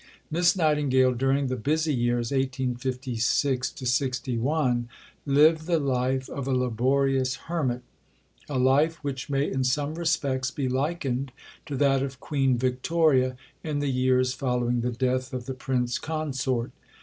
Miss Nightingale, during the busy years 1856 61, lived the life of a laborious hermit a life which may in some respects be likened to that of Queen Victoria in the years following the death of the Prince Consort.